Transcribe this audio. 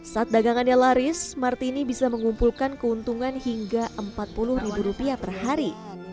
saat dagangannya laris martini bisa mengumpulkan keuntungan hingga rp empat puluh per hari